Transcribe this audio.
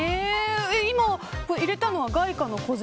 今、入れたのは外貨の小銭。